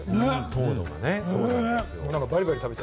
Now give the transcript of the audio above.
糖度がね。